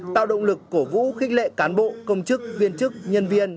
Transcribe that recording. tạo động lực cổ vũ khích lệ cán bộ công chức viên chức nhân viên